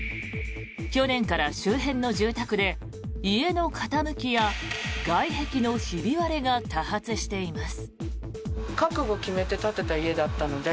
去年から周辺の住宅で家の傾きや外壁のひび割れが多発しています。